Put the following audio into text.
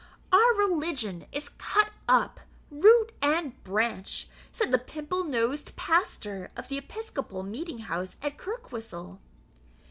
"Our religion is cut up, root and branch," said the pimple nosed pastor of the Episcopal meeting house at Kirkwhistle.